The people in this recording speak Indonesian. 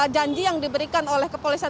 janji yang diberikan oleh kepolisian